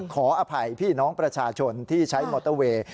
ขออภัยพี่น้องประชาชนที่ใช้มอเตอร์เวย์